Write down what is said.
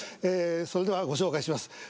えそれではご紹介します。